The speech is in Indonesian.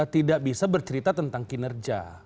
tidak bisa bercerita tentang kinerja